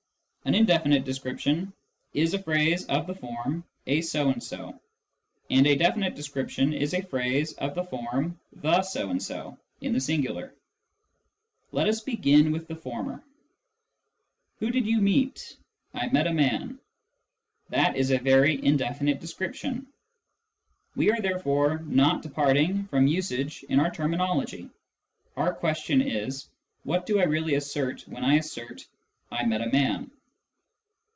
An indefinite description is a phrase of the form " a so and so," and a definite description is a phrase of the form " the so and so " (in the singular). Let us begin with the former. " Who did you meet ?" "I met a man." " That is a very indefinite description." We are therefore not departing from usage in our terminology. Our question is : What do I really assert when I assert " I met a man